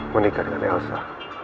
menikah dengan elsa